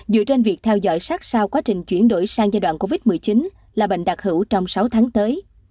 dựa trên việc theo dõi sát sao quá trình chuyển đổi sang giai đoạn covid một mươi chín là bệnh đặc hữu trong sáu tháng tới